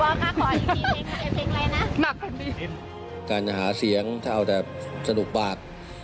ไอ้เพลงเลยน่ะหนักกันสิการหาเสียงถ้าเอาแต่สะดุปาก